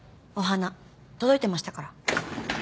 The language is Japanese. お花届いてましたから。